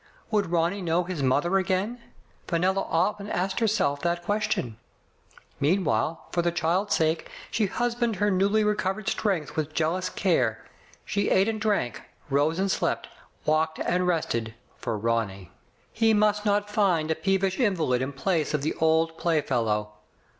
Would Ronny know his mother again? Fenella often asked herself that question. Meanwhile, for the child's sake, she husbanded her newly recovered strength with jealous care. She ate and drank, rose and slept, walked and rested, for Ronny. He must not find a peevish invalid in place of the old play fellow.